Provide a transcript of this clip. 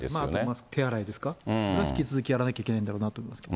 マスク、手洗いですか、引き続きやらなきゃいけないんだろうなと思います。